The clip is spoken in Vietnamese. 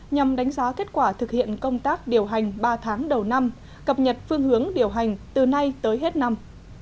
nhằm đánh giá kết quả thực hiện công tác điều hành ba tháng đầu năm cập nhật phương hướng điều hành từ nay tới hết năm